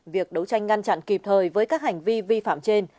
việc đấu tranh ngăn chặn kịp thời với các hành vi vi phạm trên